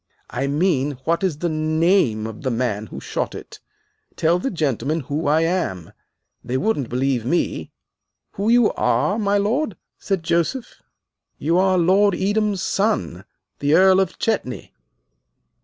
"I mean, what is the name of the man who shot it! Tell the gentlemen who I am. They wouldn't believe me." "Who you are, my lord?" said Joseph. "You are Lord Edam's son, the Earl of Chetney."